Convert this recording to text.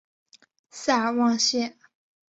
塞尔旺谢。